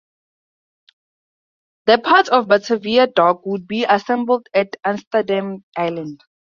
The parts of "Batavia Dock" would be assembled at Amsterdam Island.